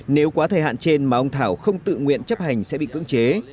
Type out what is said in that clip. nếu quá thời hạn trên mà ông thảo không tự nguyện chấp hành sẽ bị cưỡng chế